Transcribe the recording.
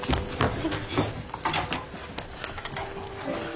すいません！